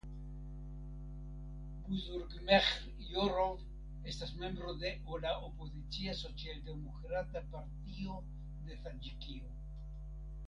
Buzurgmeĥr Jorov estas membro de la opozicia Socialdemokrata Partio de Taĝikio.